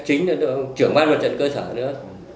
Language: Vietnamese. chính là ông trưởng ban một trận cơ sở nữa